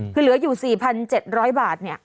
คือเหลืออยู่๔๗๐๐บาท